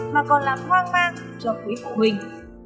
mà còn làm hoang vang cho quý phụ huynh